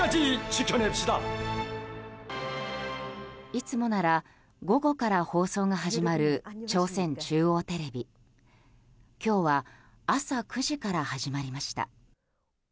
いつもなら午後から放送が始まる朝鮮中央テレビ。今日は朝９時から始まりました。